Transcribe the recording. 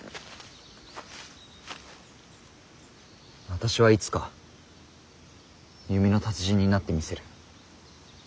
私はいつか弓の達人になってみせる。